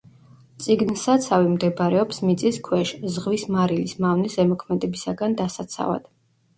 წიგნსაცავი მდებარეობს მიწის ქვეშ, ზღვის მარილის მავნე ზემოქმედებისაგან დასაცავად.